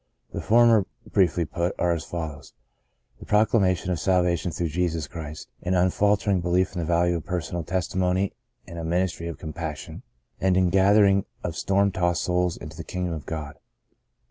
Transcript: The former briefly put, are as follows : The proclama tion of salvation through Jesus Christ, an unfaltering belief in the value of personal testimony and a ministry of compassion, and the ingathering of storm tossed souls into the kingdom of God.